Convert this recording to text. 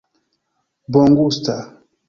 bongusta